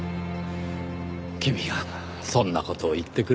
君がそんな事を言ってくれるとは。